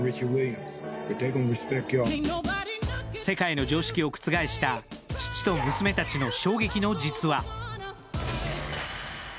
世界の常識を覆した父と娘たちの衝撃の実話。